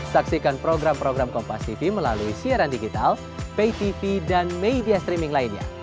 saksikan program program kompastv melalui siaran digital paytv dan media streaming lainnya